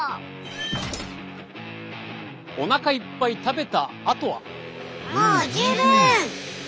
おなかいっぱい食べたあとは。